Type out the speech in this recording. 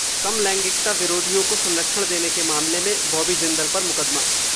समलैंगिकता विरोधियों को संरक्षण देने के मामले में बॉबी जिंदल पर मुकदमा